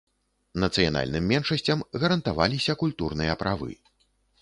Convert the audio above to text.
Нацыянальным меншасцям гарантаваліся культурныя правы.